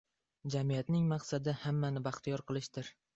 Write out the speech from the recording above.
Jamiyatning maqsadi hammani baxtiyor qilishdir.